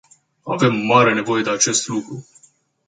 Avem mare nevoie de acest lucru.